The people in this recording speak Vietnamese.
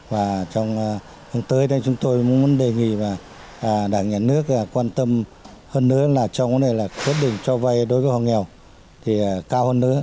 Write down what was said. và trong hướng tới đây chúng tôi muốn đề nghị và đảng nhà nước quan tâm hơn nữa là trong hướng này là quyết định cho vây đối với hộ nghèo thì cao hơn nữa